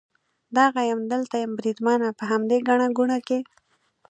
دغه یم، دلته یم بریدمنه، په همدې ګڼه ګوڼه کې.